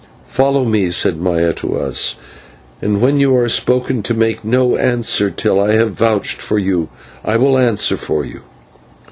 "Follow me," said Maya to us, "and when you are spoken to make no answer till I have vouched for you. I will answer for you."